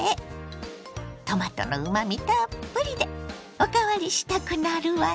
トマトのうまみたっぷりでおかわりしたくなるわね。